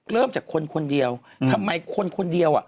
เริ่มจากคนเดียวทำไมคนเดียว